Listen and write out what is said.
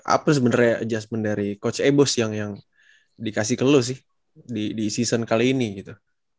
apa sebenarnya adjustment dari coach ebos yang dikasih keluh sih di season kali ini gitu